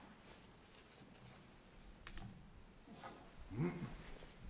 うん。